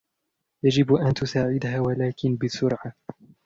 يجب أن تساعدها و لكن بسرعة!